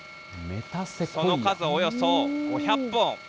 その数およそ５００本。